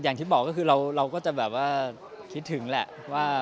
อย่างที่บอกก็คือเราก็จะแบบว่าคิดถึงแหละว่า